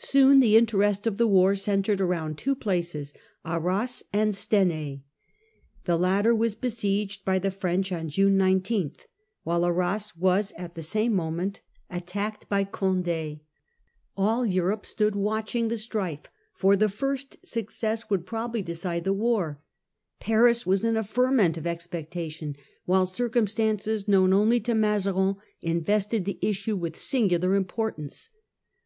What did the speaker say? Soon the interest of the war Stenai and centre< ^ around two places, Arras and Stenai. Jimcfx'654. The latter was besieged by the French on June 19, while Arras was at the same moment attacked 72 Close of the War with Spain, 1654. by Cond 6 . All Europe stood watching the strife, for the first success would probably decide the war. Paris was in a ferment of expectation ; while circumstances known only to Mazarin invested the issue with singular importance.